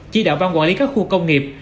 chỉ đạo ban quản lý các khu công nghiệp